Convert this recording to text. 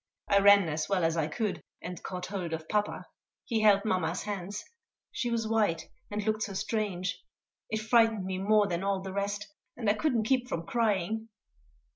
I ran as well as I could, and caught hold of papa. He held mamma's hands. She was white, and looked so strange. It frightened me more than all the rest, and I couldn't keep from crying.